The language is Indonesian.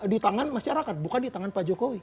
di tangan masyarakat bukan di tangan pak jokowi